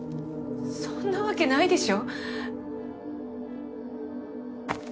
そんなわけないでしょ。